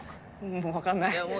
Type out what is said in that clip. もう分かんない。